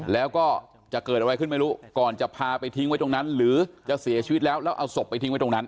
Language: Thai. แล้วก็จะเกิดอะไรขึ้นไม่รู้ก่อนจะพาไปทิ้งไว้ตรงนั้นหรือจะเสียชีวิตแล้วแล้วเอาศพไปทิ้งไว้ตรงนั้น